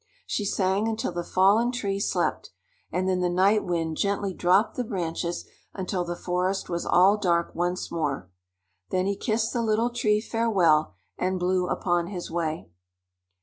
She sang until the Fallen Tree slept, and then the Night Wind gently dropped the branches until the forest was all dark once more. Then he kissed the Little Tree farewell and blew upon his way.